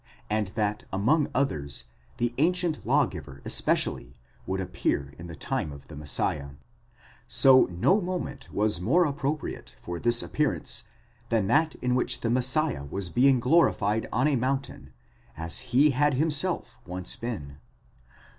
® and that among others the ancient lawgiver especially would appear in the time of the Messiah : 17. so no moment was more appro priate for his appearance than that in which the Messiah was being glorified on a mountain, as he had himself once been.